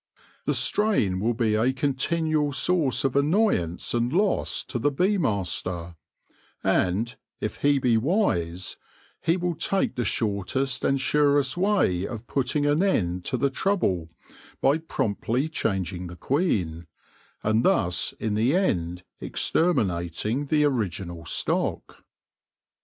The strain will be a continual source of annoyance and loss to the bee master, and, if he be wise, he will' take the shortest and surest way of putting an end to the trouble, by promptly changing the queen, and thus in the end exterminating the original stock.